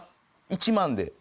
１万で。